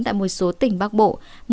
tại một số tỉnh bắc bộ